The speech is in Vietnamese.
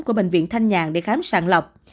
của bệnh viện thanh nhạng để khám sạn lọc